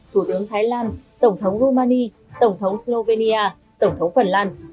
thủ tướng thái lan tổng thống romani tổng thống slovenia tổng thống phần lan